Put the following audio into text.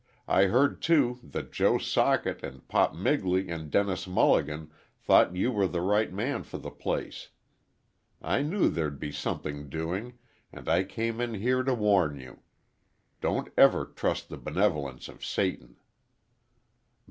I heard, too, that Joe Socket and Pop Migley and Dennis Mulligan thought you were the right man for the place. I knew there'd be something doing, and I came in here to warn you. Don't ever trust the benevolence of Satan."